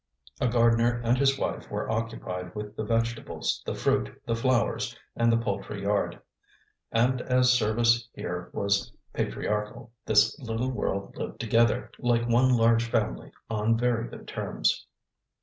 A gardener and his wife were occupied with the vegetables, the fruit, the flowers, and the poultry yard. And as service here was patriarchal, this little world lived together, like one large family, on very good terms.